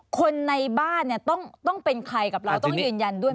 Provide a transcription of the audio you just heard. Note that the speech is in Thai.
คนในบ้านเนี่ยต้องเป็นใครกับเราต้องยืนยันด้วย